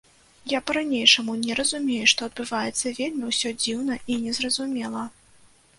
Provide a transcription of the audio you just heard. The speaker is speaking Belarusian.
Я па-ранейшаму не разумею, што адбываецца, вельмі ўсё дзіўна і незразумела.